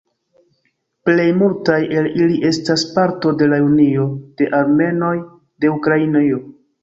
Plej multaj el ili estas parto de la "Unio de Armenoj de Ukrainio".